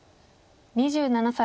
２７歳。